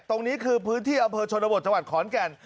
ตรงนี้คือพื้นที่อำเภอชนบทจังหวัดขอนแก่น